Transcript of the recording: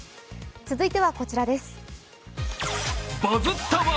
続いてはこちらです。